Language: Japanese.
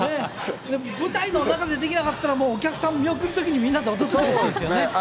舞台の中でできなかったら、もうお客さん見送るときに、みんなで踊るとかいいですよね。